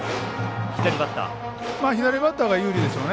左バッターは有利でしょうね。